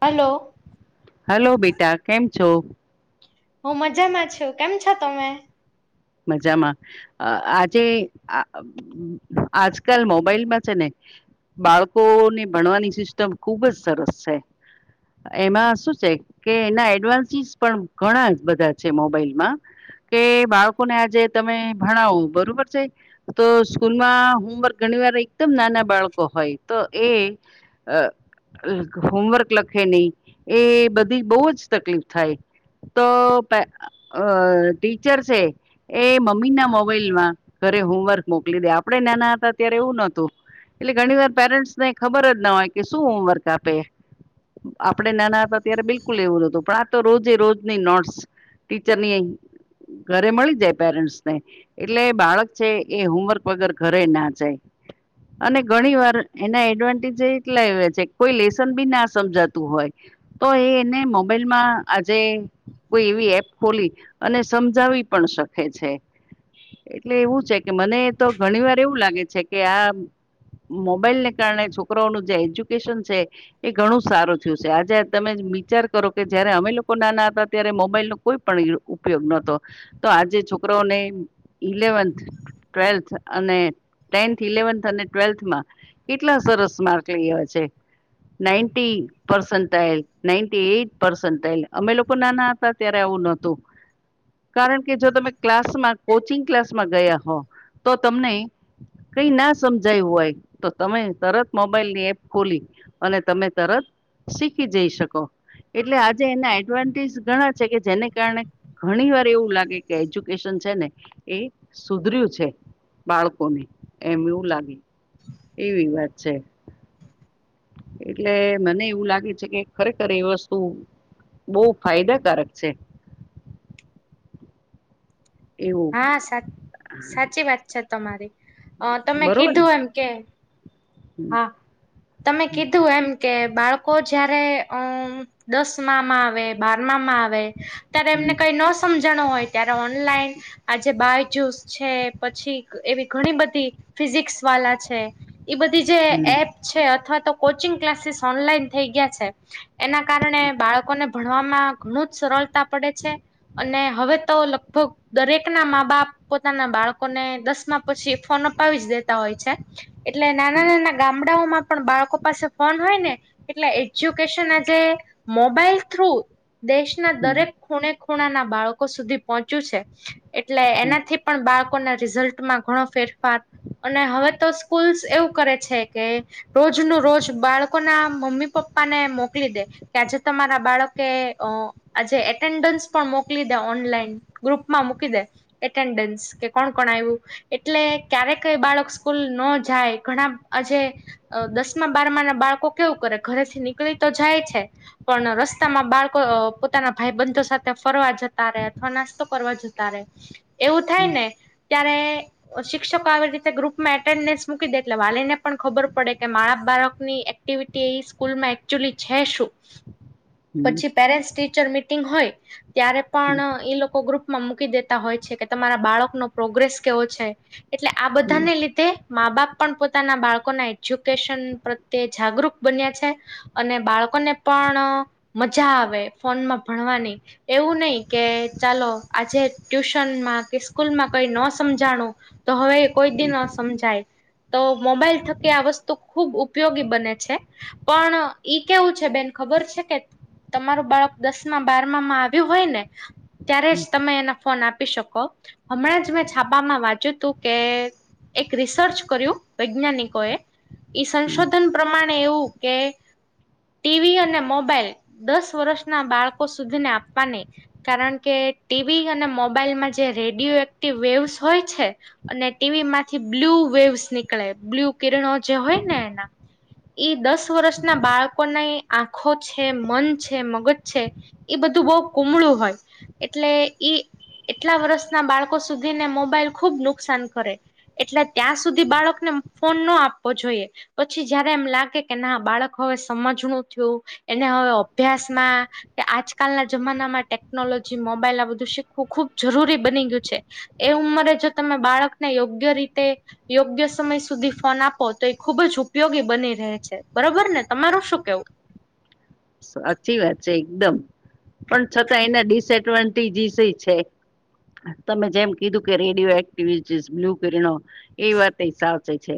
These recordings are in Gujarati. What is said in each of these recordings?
હલો. હલો બેટા કેમ છો. હું મજામાં છું કેમ છો તમે. મજામાં આજે. આજકાલ મોબાઈલમાં છે, ને. બાળકોને ભણવાની સિસ્ટમ ખુબ જ સરસ છે, એમાં શું છે, કે એના એડવાન્સીસ પણ ઘણા બધા છે. મોબાઈલમાં કે બાળકો ને આજે તમે ભણાવો બરોબર છે, તો સ્કૂલમાં હોમવર્ક ઘણી વાર એકદમ નાના બાળકો હોય તો એ હા. હોમવર્ક લખે નહી એ બધી બહુ જ તકલીફ થાય. તો પ અ ટીચર છે, એ મમ્મી ના મોબાઈલમાં ઘરે હોમવર્ક મોકલી દે આપણેે નાના હતા અત્યારે એવું નોતું એટલે ઘણી વાર પેરેન્ટ્સ ને ખબર જ ના હોય કે શું હોમવર્ક આપે. આપડણે નાના હતા અત્યારે બિલકુલ એવુંતું પણ આ તો રોજે રોજની નોટ્સ ટીચર ની અ ઘરે મળી. જ પેરેન્ટ્સને એટલે બાળક છે, એ હોમવર્ક વગર ઘરે ના જાય. અને ઘણી વાર એના એડવાન્ટેજ એટલા એ કોઈ લેસન બી ના સમજાતું હોય. તો એ એને મોબાઈલમાં આજે કોઈ એવી એપ ખોલી અને સમજાવી પણ શકે છે. એટલે એવું છે, કે મને તો ઘણી વાર એવું લાગે છે કે આ મોબાઈલને કારણે છોકરાનું જે એજ્યુકેશન છે એ ઘણું સારું થયું છે, આજે તમે વિચાર કરો કે જયારે અમે લોકો નાના હતા ત્યારે મોબાઈલ નો કોઈ પણ ઉપયોગ નતો તો આજે છોકરાઓને ઇલેવન્થ. ટ્વેલ્થ અને ટેન્થ ઇલેવન્થ અને ટ્વેલ્થમાં. કેટલા સરસ માર્ક લેયા છે. ના અમે લોકો ના. ત્યારે આવું નતું કારણ કે જો તમે. ક્લાસમાં કોચિંગ ક્લાસમાં ગયા હો તો તમને. કઈ ના સમજાયું હોય તો તમે તરત મોબાઈલ ની એપ ખોલી. અને તમે તરત શીખી જઈ શકો. એટલે આજે એના એડવાન્ટેજ ઘણા છે કે જેને કારણે ઘણી વાર એવું લાગે કે એજ. છે ને એ સુધર્યું છે બાળકોને એમ એવું લાગે. એવી વાત છે. એટલે મને એવું લાગે છે કે ખરેખર એ વસ્તુ. બહુ ફાયદાકારક છે. એવું હા સા સાચી વાત છે તમારી. અ તમે બરોબર ને કીધું એમ કે હા તમે હમ કીધું એમ. કે બાળકો જયારે અ દસમાં માં આવે બારમામાં આવે. ત્યારે એમને હમ કઈ ન સમજાણ હોય ત્યારે ઓનલાઈન. આજે બાયજુસ છે પછી એવી ઘણી બધી ફિઝિક્સ વાળ છે. એ બધી જે હમ એપ છે અથવા તો કોચિંગ ક્લાસીસ ઓનલાઈન થઈ ગયા છે. એના કારણે બાળકોને. ભણવામાં ઘણું જ સરળતા પડે છે અને હવે તો લગભગ દરેક. એક ના મા બાપ પોતાના બાળકોને દસમા પછી ફોન અપાવી જ દેતા હોય છે. એટલે નાના હમ હમ નાના ગામડાઓમાં પણ બાળકો પાસે ફોન હોય ને. એટલે એજ્યુકેશન આજે મોબાઈલ થ્રુ. દેશના હમ હમ દરેક ખૂણે ખૂણાના બાળકો સુધી પહોંચ્યું છે એટલે હમ એનાથી. પણ બાળકોના રિઝલ્ટમાં ઘણો ફેરફાર. અને હવે તો સ્કૂલ્સ એવું કરે છે કે. રોજ ન રોજ બાળકો ના મમ્મી પપ્પાને મોકલી દે. કે આજે તમારા બાળકે અ આજે એટેન્ડન્સ પણ મોકલી દે ઓનલાઈન. ગ્રુપમાં મૂકી દે એટેન્ડન્સ કે કોણ કોણ આવ્યું. એટલે ક્યારે કઈ બાળક સ્કૂલ ન જાય ઘણા આજે. અ દસ બારમા ના બાળકો કેવું કરે ઘરેથી નીકળી તો જાય છે. પણ રસ્તામાં બાળકો પોતાના ભાઈ બંધો સાથે ફરવા જતા રે અથવા નાસ્તો કરવા જતા. ત એવું ત. હમ. ત્યારે. શિક્ષકો આવી રીતે ગ્રુપમાં એટેન્ડન્સ મૂકી દે એટલે વાલીને પણ ખબર પડે કે મારા બાળકની. એક્ટિવિટી એ સ્કૂલમાં એકચુલી છે શું. પછી પેરેન્ટ્સ ટીચર મીટિંગ હોય ત્યારે પણ હમ એ લોકો. ગ્રુપમાં મૂકી દેતા હોય છે કે તમારા બાળકનો પ્રોગ્રેસ કેવો છે. એટલે આ બધાને લીધે. મા બાપ પણ પોતાના બાળકોના એજ્યુકેશન પ્રત્યે જાગૃત બન્યા છે. અને બાળકોને પણ મજા આવે ફોનમાં ભણવાની. એવું નહી કે ચાલો આજે ટ્યુશનમાં કે સ્કૂલમાં કઈ ન સમજાણું. તો હવે કોઈ દી હમ ન સમજાય. તો મોબાઈલ થકી આ વસ્તુ ખુબ ઉપયોગી બને છે. પણ ઈ કેવું છે બેન ખબર છે કે. તમારું બાળક દસ બારમામાં આવ્યું હોય ને. ત્યારે હમ હમ જ તમે એને ફોન આપી શકો હમણાં જ મેં છાપામાં વાંચ્યું હતું કે. એક રિસર્ચ કર્યું વૈજ્ઞાનિકો એ. ઈ હમ સંશોધન પ્રમાણે એવું કે ટીવી અને મોબાઈલ દસ વર્ષના બાળકો સુધીને આપવાને કારણ કે ટીવી અને મોબાઈલમાં જે રેડિયો એક્ટિવ વેવસ હોય છે અને ટીવી માંથી બ્લ્યુ વેવસ નીકળે બ્લ્યુ કિરણો જે હોય ને એના ઈ દસ વર્ષ ના બાળકોના આંખો છે મન છે મગજ છે એ બધું બહ કુમળું હોય એટલે ઈ એટલા વર્ષના બાળકો સુધી ને મોબાઈલ ખુબ નુકસાન કરે એટલે ત્યાં સુધી બાળકને ફોન ન આપવો જોઈએ પછી જયારે એમ લાગે કે ના બાળક હવે સમજણું થયું એને હવે અભ્યાસમાં કે આજકાલના જમાનામાં ટેકનોલોજી મોબાઈલ આ બધું શીખવું ખુબ જરૂરી બની ગયું છે એ ઉંમરે જો તમે બાળકને યોગ્ય રીતે યોગ્ય સમય સુધી ફોન આપો તો એ ખુબ જ ઉપયોગી બની રહે છે બરોબર ને તમાર શું કેવું સાચી વાત છે એકદમ પણ છતાં એના ડિસએડવાન્ટેજસ છે તમે જેમ કીધું કે રેડિયો એક્ટિવિટીસ બ્લુો કિરણો એ વાત એ સાચે છે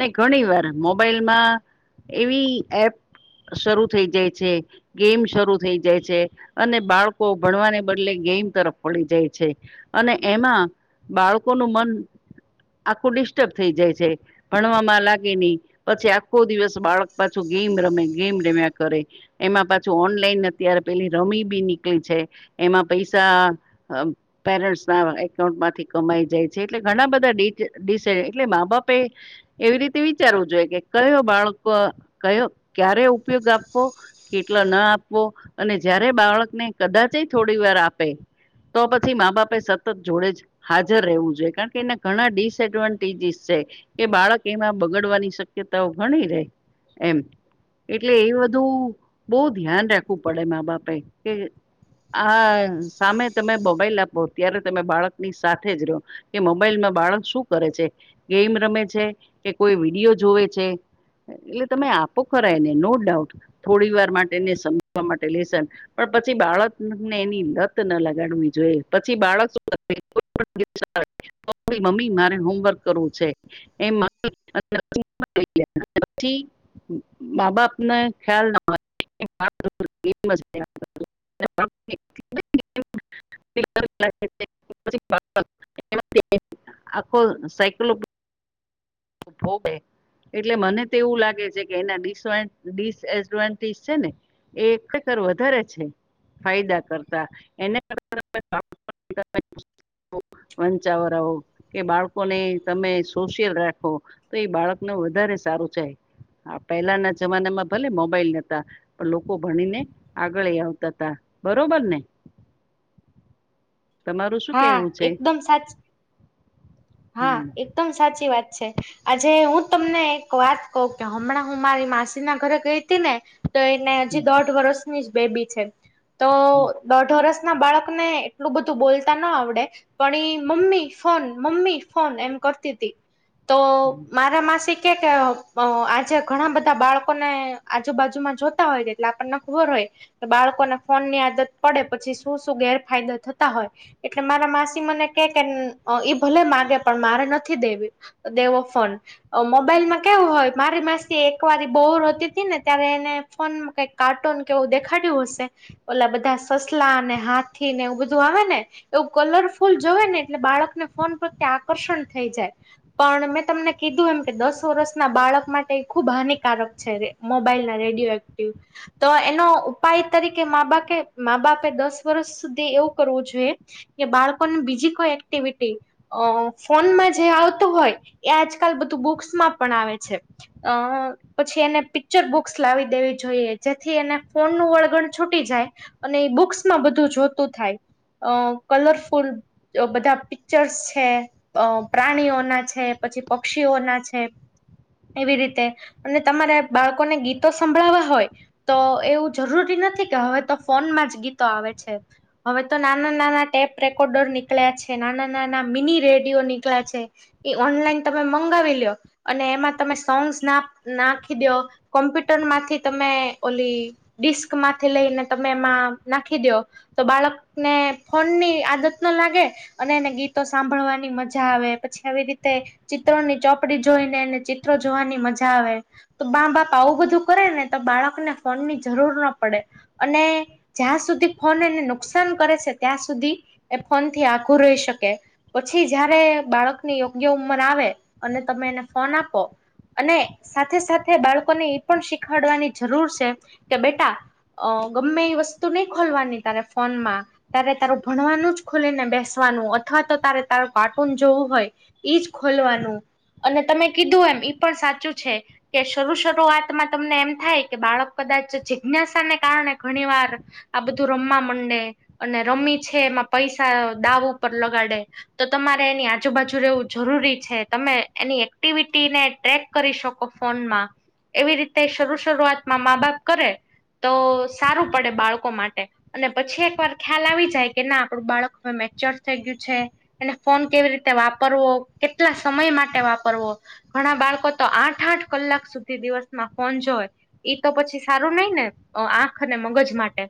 ને ઘણી વાર મોબાઈલમાં એવી એપ શરૂ થઈ જાય છે ગેમ શરૂ થઈ જાય છે અને બાળકો ભણવાને બદલે ગેમ તરફ વળી જાય છે અને એમાં બાળકોનું મન આખું ડિસ્ટર્બ થઈ જાય છે ભણવામાં લાગે નહિ પછી આખો દિવસ બાળક પાછું ગેમ રમે ગેમ રમ્યા કરે એમાં પાછું ઓનલાઈન અત્યારે પેલી રમી બી નીકળી છે એમાં પૈસા હમ પેરેન્ટ્સ ના એકાઉન્ટમાંથી કમાઈ જાય છે એટલે ઘણા બધા [unintelligible] એટલે મા બાપે એવી રીતે વિચારવું જોઈએ કે કયો બાળકો કયો ક્યારે ઉપયોગ આપવો કેટલા ના આપવો અને જયારે બાળકને કદાચ થોડી વાર આપે તો પછી મા બાપે સતત જોડે જ હાજર રહેવું જોઈએ કારણ કે એના ઘણા ડિસએડવાન્ટેજીિસ છે કે બાળક એમાં બગડવાની શક્યતાઓ ઘણી રહે એમ એટલે એ બધું બહુ ધ્યાન રાખવું પડે મા બાપે કે આ સામે તમે મોબાઈલ આપો ત્યારે તમે બાળકની સાથે જ રહો કે મોબાઈલમાં બાળક શું કરે છે ગેમ રમે છે કે કોઈ વિડીયો જોવે છે એટલે તમે આપો ખરાયને નો ડાઉટ થોડી વાર માટે ને સમજવા માટે લેસન પણ પછી બાળકને એની લત ના લગાડવી જોઈએ પછી બાળક શું [unintelligible] મમ્મી મારે હોમવર્ક કરવું છે એ પછ [inaudible] મા બાપને ખ્યાલ ના [inaudible] [unintelligible] [inaudible] આખો સાયકલો ભોગે એટલે મને તો એવું લાગે છે કે એના [unintelligible] છે ને એ એકર વધારે છે ફાયદા કરતા એને [unintelligible] વંચાવરાો કે બાળકોને તમે સોષિયલ રાખો તો એ બાળકને વધારે સારું છે પહેલાના જમાનામાં ભલે મોબાઈલ નથી પણ લોકો ભણીને આગળ આવતા તા બરોબર ને તમારું શું હા કેવું છે એકદમ સાચી હા હમ એકદમ સાચી વાત છે આજે હું તમને એક વાત કહ કે હમણાં હું મારી માસી ના ઘરે ગઈ હતી ને તો એને હમ હજી દોઢ વર્ષની જ બેબી છે તો દોઢ વર્ષ ના બાળકને એટલું બધું બોલતા ન આવડે પણ એ મમ્મી ફોન મમ્મી ફોન એમ કરતી હતી તો હમ મારા માસી કે કે આજે ઘણા બધા બાળકોને આજુબાજુમાં જોતા હોય છે એટલે આપણને ખબર હોય. તો બાળકોને ફોનની આદત પડે પછી શું શું ગેરફાયદા થતા હોય. એટલે મારા માસી મને કે કે ઈ ભલે માગે પણ મારે નથી દેવી દેવો ફોન મોબાઈલ માં કેવું હોય મારી માસી એક વાર બોર હોતી હતી ને ત્યારે એને ફોનમાં કઈક કાર્ટૂન જેવું દેખાડ્યું હશે. ઓલા બધા સસલાને હાથીને એવું બધું આવે ને. એવું કલરફુલ જોવે ને એટલે બાળકને ફોન પ્રત્યે આકર્ષણ થઈ જાય. પણ મેં તમને કીધું એમ કે દસ વર્ષના બાળક માટે ખુબ હાનિકારક છે. મોબાઈલના રેડિયો એક્ટિવ તો એનો ઉપાય તરીકે મા બાપ મા બાપે દસ વર્ષ સુધી એવું કરવું જોઈએ. કે બાળકોને બીજી કોઈ એક્ટિવિટી અ ફોનમાં જે આવતું હોય એ આજકાલ બધું બુક્સમાં પણ આવે છે. આ. [unintelligible] પછી એને પિક્ચર બુક્સ લાવી દેવી જોઈએ જેથી એને ફોનનું વળગણ છૂટી જાય. અને એ બુક્સમાં બધું જોતું થાય. અ કલરફુલ બધા પિક્ચર્સ છે પ્રાણીઓના છે પછી પક્ષીઓના છે. એવી રીતે અને તમારે બાળકોને ગીતો સંભળાવવા હોય. તો એવું જરૂરી નથી કે હવે તો ફોનમાં જ ગીતો આવે છે. હવે તો નાના નાના ટેપ રેકોર્ડર નીકળ્યા છે નાના નાના મિની રેડિયો નીકળ્યા છે એ ઓનલાઈન તમે મંગાવી લ્યો. અને એમાં તમે સોંગ્સ નાખી દો કોમ્પ્યુટર માંથી તમે ઓલી ડિસ્કમાંથી લઈને તમે એમાં નાખી દો. તો બાળકને ફોનની આદત ન લાગે અને એને ગીત ગીતો સાંભળવાની મજા આવે પછી આવી રીતે ચિત્રોની ચોપડી જોઈને એને ચિત્રો જોવાની મજા આવે. તો માં બાપ આવું બધું કરે ને તો બાળકને ફોન ની જરૂર ના પડે. અને જ્યાં સુધી ફોન એને નુકસાન કરે છે ત્યાં સુધી એ ફોનથી આખું રહી શકે. પછી જયારે બાળકની યોગ્ય ઉંમર આવે અને તમે એને ફોન આપો. અને સાથે સાથે બાળકોને એ પણ શીખાડવાની જરૂર છે કે બેટા અ ગમે એ વસ્તુ નહી ખોલવાની તારે ફોનમાં. ત્યારે તારું ભણવાનું જ ખોલી ને બેસવાનું અથવા તો તારે તારું કાર્ટૂન જોવું હોય જ ખોલવાનું. અને તમે કીધું એમ ઈ પણ સાચું છે. કે શરૂ શરૂઆતમાં તમને એમ થાય કે બાળક કદાચ જિજ્ઞાસાને કારણે ઘણી વાર આ બધું રમવા મંડે અને રમી છે એમાં પૈસા દાવ ઉપર લગાડે. તો તમારે એની આજુબાજુ રહેવું જરૂરી છે તમે એની એક્ટિવિટીને ટ્રેક કરી શકો ફોનમાં એવી રીતે શરૂ શરૂઆતમાં મા બાપ કરે. તો સારું પડે બાળકો માટે. અને પછી એક વાર ખ્યાલ આવી જાય કે ના આપડું બાળક હવે મેચ્યોર થઈ ગયું છે. એને ફોન કેવી રીતે વાપરવો કેટલા સમય માટે વાપરવો. ઘણા બાળકો તો આઠ આઠ કલાક સુધી દિવસમાં ફોન જોતા હોય. ઈ તો પછી સારું નઈ ને આંખ અને મગજ માટે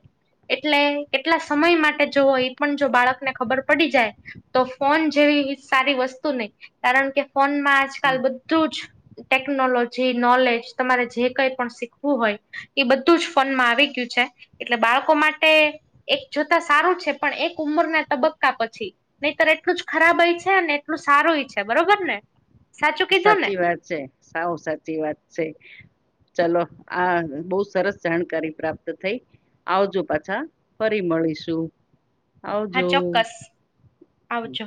એટલે કેટલા સમય માટે જોવ એ પણ જો બાળકને ખબર પડી જાય. તો ફોન જેવી સારી વસ્તુ નહી કારણ કે ફોનમાં આજકાલ બધું જ ટેકનોલોજી નોલેજ તમારે જે કઈ પણ શીખવું હોય એ બધું જ ફનમાં આવી ગયું છે. એટલે બાળકો માટે એક જોતા સારું છે પણ એક ઉંમરના તબક્કા પછી નહી તર એટલું જ ખરાબ હય છે અને એટલું સારુંય છે બરોબર ને. સાચું કીધું ને સાચી વાત છે સાવ સાચી વાત છે. ચલો આ બહુ સરસ જાણકારી પ્રાપ્ત થઈ. આવજો પાછા ફરી મળીશું. હા આવજો. ચોકક્સ આવજો.